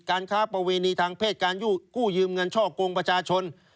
ค้าประเวณีทางเพศการกู้ยืมเงินช่อกงประชาชน